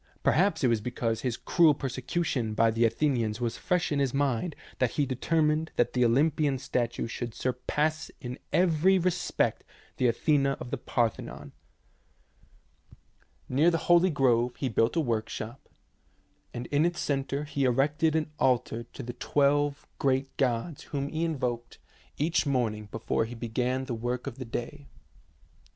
Perhaps it was because his cruel persecu tion by the Athenians was fresh in his mind that he determined that the Olympian statue should surpass in every respect the Athena of the Par thenon. Near the holy grove he built a workshop, and in its centre he erected an altar to the twelve 90 THE SEVEN WONDERS great gods whom he invoked each morning before he began the work of the day.